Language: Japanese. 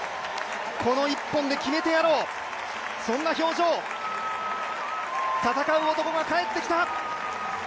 この１本で決めてやろう、そんな表情、戦う男が帰ってきた。